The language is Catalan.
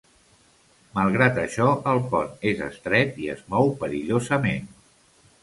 Malgrat això, el pont és estret i es mou perillosament.